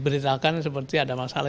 tidak ada masalah